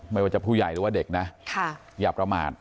ไม่ว่าจะผู้ใหญ่หรือว่าเด็กนะอย่าประมาท